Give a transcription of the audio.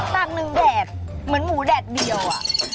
ตักหนึ่งแดดเหมือนหมูแดดเดียว